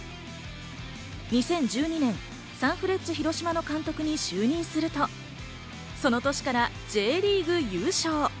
２０１２年、サンフレッチェ広島の監督に就任すると、その年からＪリーグ優勝。